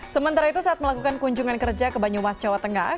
sementara itu saat melakukan kunjungan kerja ke banyumas jawa tengah